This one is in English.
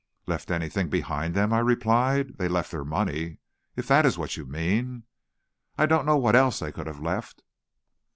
"Left anything behind them!" I replied. "They left their money, if that is what you mean. I don't know what else they could have left."